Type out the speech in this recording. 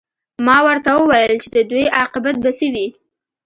ما ورته وویل چې د دوی عاقبت به څه وي